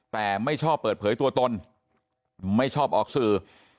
แต่ไม่ชอบเปิดเผยตัวตนไม่ชอบออกสื่อ